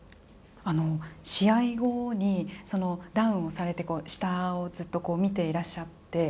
試合後にダウンされて下をずっと見ていらっしゃって。